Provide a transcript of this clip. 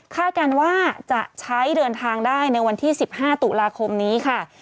การว่าจะใช้เดินทางได้ในวันที่๑๕ตุลาคมนี้ค่ะ